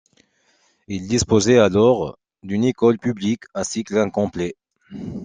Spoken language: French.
Il disposait alors d'une école publique à cycle incomplet.